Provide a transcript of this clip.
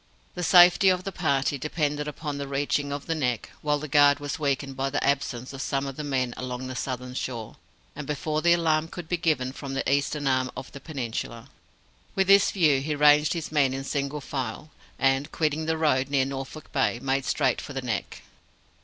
The safety of the party depended upon the reaching of the Neck while the guard was weakened by the absence of some of the men along the southern shore, and before the alarm could be given from the eastern arm of the peninsula. With this view, he ranged his men in single file; and, quitting the road near Norfolk Bay, made straight for the Neck.